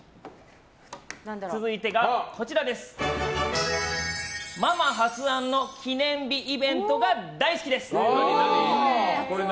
続いてがママ発案の記念日イベントが大好きです。